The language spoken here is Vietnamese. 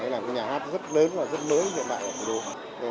là một nhà hát rất lớn và rất mới hiện tại